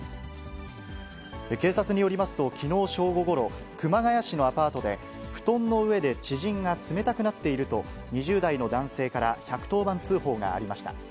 警察によりますと、きのう正午ごろ、熊谷市のアパートで、布団の上で知人が冷たくなっていると、２０代の男性から１１０番通報がありました。